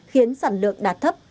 khiến sản lượng đạt thấp